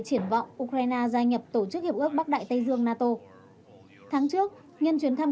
triển vọng ukraine gia nhập tổ chức hiệp ước bắc đại tây dương nato tháng trước nhân chuyến thăm